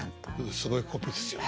すごいコンビですよね。